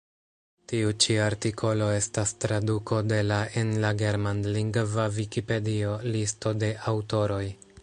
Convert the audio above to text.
Tiu ĉi artikolo estas traduko de la en la germanlingva vikipedio, listo de aŭtoroj.